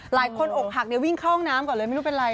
อกหักวิ่งเข้าห้องน้ำก่อนเลยไม่รู้เป็นไร